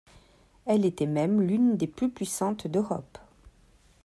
Elle était même l'une des plus puissantes d'Europe.